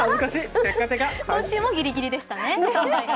今週もギリギリでしたね。